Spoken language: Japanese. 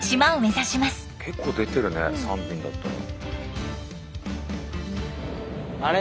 結構出てるね３便だったら。